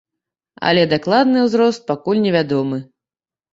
Але дакладны ўзрост пакуль невядомы.